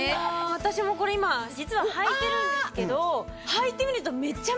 私もこれ今実は履いてるんですけど履いてみると。